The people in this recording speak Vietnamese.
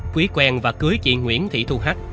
quý quen và cưới chị nguyễn thị thu hắc